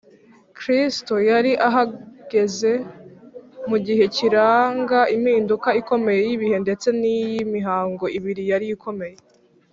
kristo yari ahagaze mu gihe kiranga impinduka ikomeye y’ibihe ndetse n’iy’imihango ibiri yari ikomeye